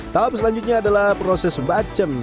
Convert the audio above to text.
tahap selanjutnya adalah proses bacem